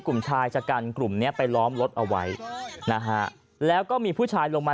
กลุ่มชายชะกันกลุ่มเนี้ยไปล้อมรถเอาไว้นะฮะแล้วก็มีผู้ชายลงมา